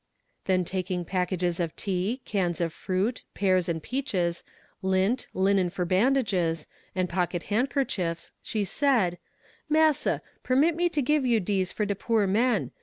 Then taking packages of tea, cans of fruit, pears and peaches, lint, linen for bandages, and pocket handkerchiefs, she said: "Massa, permit me to give you dese for de poor men.